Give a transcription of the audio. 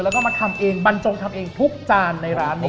แล้วก็มาทำเองบรรจงทำเองทุกจานในร้านนี้